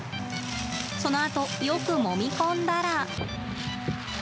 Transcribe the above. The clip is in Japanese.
そのあとよく、もみ込んだら。